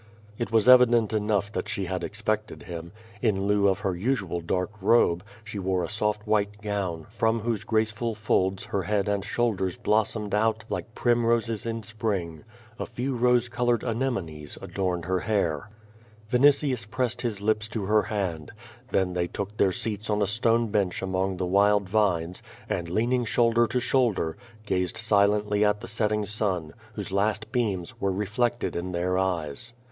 It was evident enough that she had expected him. In lieu of her usual dark robe, she wore a soft white gown, from whose graceful folds her head and shoulders blossomed out like primroses in Spring. A few rose colored anemones adorned her hair. Vinitius pressed his lips to her hand. Then they took their seats on a stone bench among the wild vines, and lean ing shoulder to shoulder, gazed silently at the setting sun, whose last beams were reflected in their eyes.